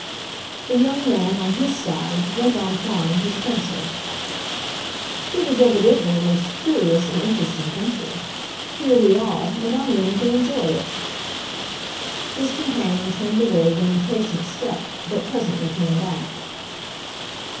The young man, on his side, went on plying his pencil. "It is evidently a most curious and interesting country. Here we are, and I mean to enjoy it." His companion turned away with an impatient step, but presently came back.